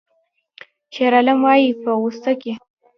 شیرعالم وایی په غوسه کې